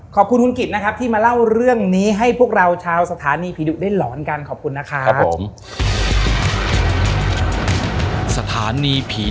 ขอบคุณคุณกิจนะครับที่มาเล่าเรื่องนี้ให้พวกเราชาวสถานีผีดุได้หลอนกันขอบคุณนะครับผม